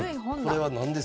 これは何ですか？